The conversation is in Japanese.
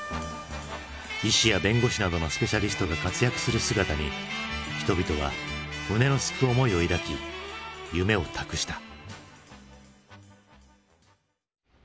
医師や弁護士などのスペシャリストが活躍する姿に人々は胸のすく思いを抱き夢を託した。